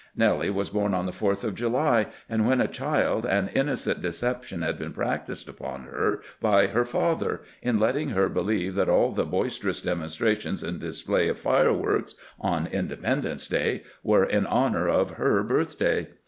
Nellie was born on the 4th of July, and when a child an innocent deception had been practised upon her by her father in letting her be lieve that all the boisterous demonstrations and display of fireworks on Independence day were in honor of her birthday.